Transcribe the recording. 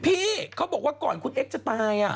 พี่เขาบอกว่าก่อนคุณเอ็กซจะตาย